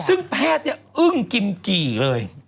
ซึ่งแพทย์อึ้งกิ่มกี่เลย